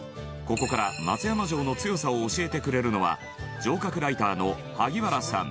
ここから松山城の強さを教えてくれるのは城郭ライターの萩原さん